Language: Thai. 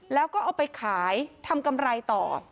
แล้วก็เอาไปขายทำกำไรต่อ